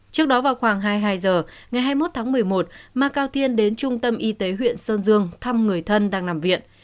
trước đó vào khoảng hai mươi hai h ngày hai mươi một tháng một mươi một ma cao thiên đến trung tâm y tế huyện sơn dương thăm người thân đang nằm viện